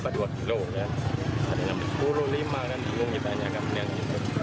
ada enam puluh lima kan kita hanya akan minyak